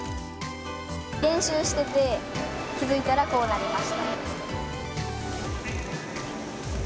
練習してて気づいたらこうなりました。